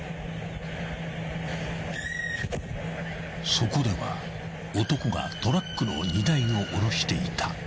［そこでは男がトラックの荷台を下ろしていた］